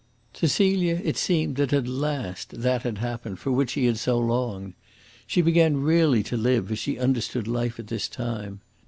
To Celia it seemed that at last that had happened for which she had so longed. She began really to live as she understood life at this time.